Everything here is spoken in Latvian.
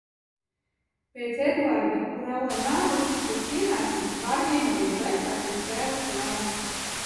Pēc Eduarda Kurau nāves šos pienākumus pārņēma viņa vecākais dēls Jānis.